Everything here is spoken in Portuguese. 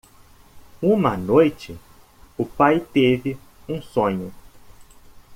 Uma noite? o pai teve um sonho.